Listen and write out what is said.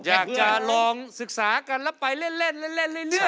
อยากจะลองศึกษากันแล้วไปเล่นเรื่อย